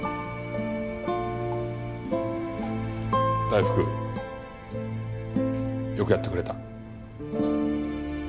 大福よくやってくれた。